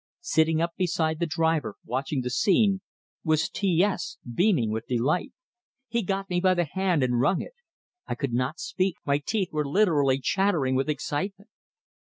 Sitting up beside the driver, watching the scene, was T S, beaming with delight; he got me by the hand and wrung it. I could not speak, my teeth were literally chattering with excitement.